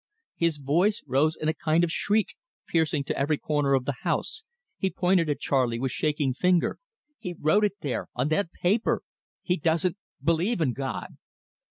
His voice rose in a kind of shriek, piercing to every corner of the house. He pointed at Charley with shaking finger. "He wrote it there on that paper. He doesn't believe in God."